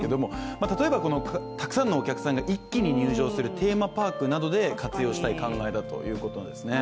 例えば、たくさんのお客さんが一気に入場するテーマパークなどで活用したい考えだということのようですね。